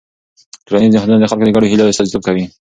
ټولنیز نهادونه د خلکو د ګډو هيلو استازیتوب کوي.